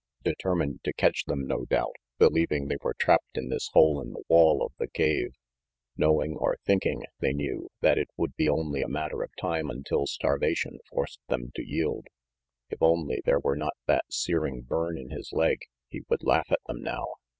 Determined to catch them, no doubt, believing they were trapped in this hole in the wall of the cliff. Knowing, or thinking they knew, that it would be only a matter of time until starvation forced them to yield. If only there were not that searing burn in his leg, he would laugh at them now.